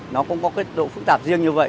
nó cũng có cái độ phức tạp riêng như vậy